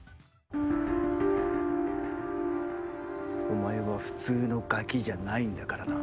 お前は普通のガキじゃないんだからな。